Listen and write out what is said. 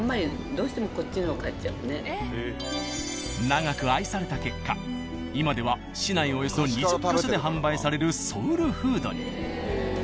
長く愛された結果今では市内およそ２０か所で販売されるソウルフードに。